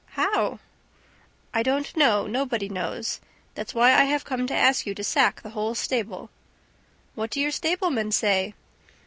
"How?" "I don't know. Nobody knows. That's why I have come to ask you to sack the whole stable." "What do your stablemen say?"